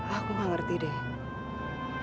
aku nggak ngerti deh